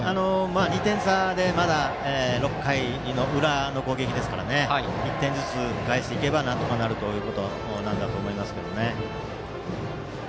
２点差でまだ６回の裏の攻撃ですから１点ずつ返していけばなんとかなるということだと思います。